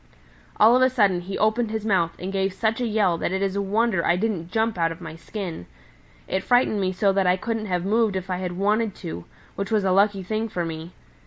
All of a sudden he opened his mouth and gave such a yell that it is a wonder I didn't jump out of my skin. It frightened me so that I couldn't have moved if I had wanted to, which was a lucky thing for me.